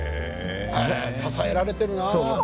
支えられてるな。